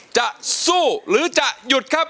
จะสู้หรือจะหยุดครับ